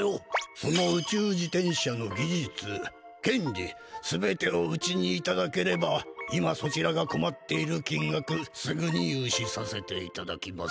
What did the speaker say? その宇宙自転車のぎじゅつけんり全てをうちにいただければ今そちらがこまっている金がくすぐにゆうしさせていただきます。